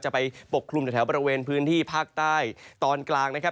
ไปปกคลุมแถวบริเวณพื้นที่ภาคใต้ตอนกลางนะครับ